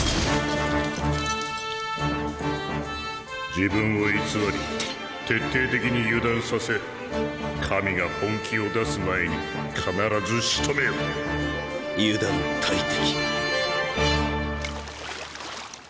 自分を偽り徹底的に油断させ神が本気を出す前に必ず仕留めよ油断大敵。